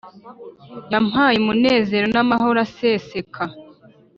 Yampaye umunezero n’amahoro aseseka